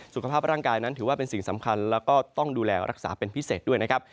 สุขภาพร่างกายนั้นถือว่าเป็นสิ่งสำคัญแล้วก็ต้องดูแลรักษาเป็นพิเศษด้วยนะครับ